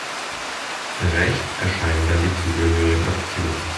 Rechts erscheinen dann die zugehörigen Optionen.